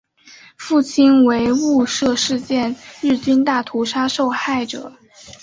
父亲为雾社事件日军大屠杀受害者。